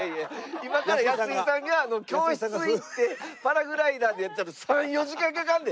今から安井さんが教室行ってパラグライダーでやってたら３４時間かかるで。